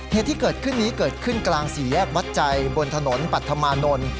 เหตุที่เกิดขึ้นนี้เกิดขึ้นกลางสี่แยกวัดใจบนถนนปัธมานนท์